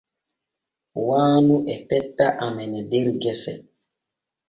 Waanu e tetta amene der gese.